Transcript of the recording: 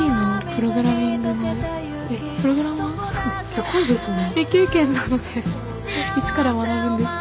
すごいですね。